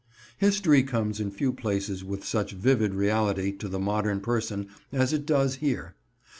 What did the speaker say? History comes in few places with such vivid reality to the modern person as it does here.